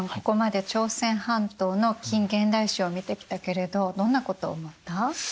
ここまで朝鮮半島の近現代史を見てきたけれどどんなことを思った？